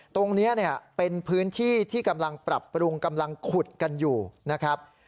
ตรงนี้เป็นพื้นที่ที่กำลังปรับปรุงกำลังขุดกันอยู่นะครับ